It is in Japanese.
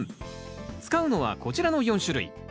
使うのはこちらの４種類。